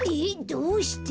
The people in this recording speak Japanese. どうして？